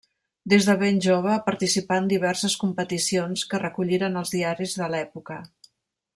Des de ben jove participà en diverses competicions que recolliren els diaris de l'època.